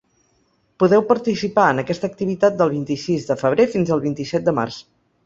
Podeu participar en aquesta activitat del vint-i-sis de febrer fins al vint-i-set de març.